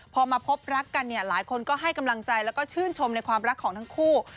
พอมาพบรักกันเนี่ยหลายคนก็ให้กำลังใจแล้วก็ชื่นชมในความรักของทั้งคู่